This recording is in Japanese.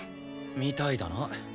みたいだな。